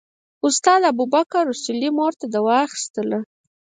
استاد ابوبکر اصولي مور ته دوا اخیستله.